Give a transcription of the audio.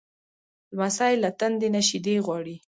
لمسی له تندې نه شیدې غواړي.